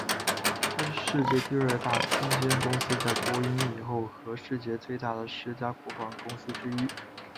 它是世界第二大空间公司在波音以后和世界上最大的十家国防公司之一。